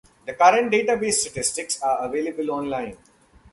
The current database statistics are available on line.